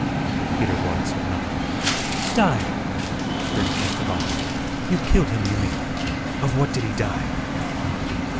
Peter Blood said nothing. "Died?" screamed Esteban. "You killed him, you mean. Of what did he die?"